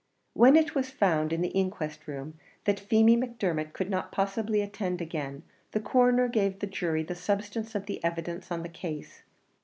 When it was found in the inquest room that Feemy Macdermot could not possibly attend again, the coroner gave the jury the substance of the evidence on the case.